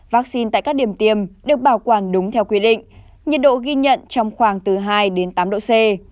vaccine tại các điểm tiêm được bảo quản đúng theo quy định nhiệt độ ghi nhận trong khoảng từ hai đến tám độ c